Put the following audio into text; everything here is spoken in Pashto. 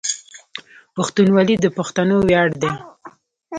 پښتونولي د پښتنو ویاړ ده.